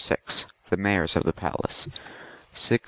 26 THE MAYORS OF THE PALACE. [CH.